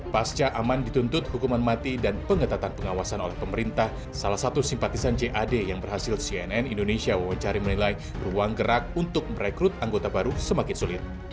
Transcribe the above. pasca aman dituntut hukuman mati dan pengetatan pengawasan oleh pemerintah salah satu simpatisan jad yang berhasil cnn indonesia wawancari menilai ruang gerak untuk merekrut anggota baru semakin sulit